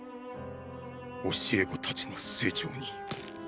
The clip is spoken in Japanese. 教え子たちの成長に。